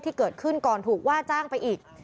ที่เกิดขึ้นก่อนถูกว่าจ้างไปอีก